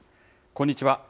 こんにちは。